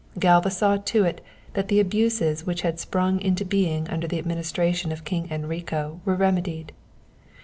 Galva saw to it that the abuses which had sprung into being under the administration of King Enrico were remedied.